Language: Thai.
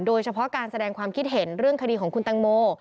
โดยเฉพาะการแสดงความคิดเห็นเรื่องคดีของคุณตังโม